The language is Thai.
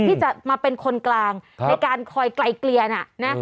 ที่จะมาเป็นคนกลางในการคอยไกลเกลียนะ